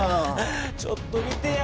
ちょっと見てや！